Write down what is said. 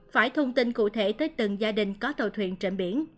phải thông tin cụ thể tới từng gia đình có tàu thuyền trên biển